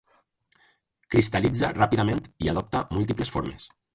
Cristal·litza ràpidament i adopta múltiples formes.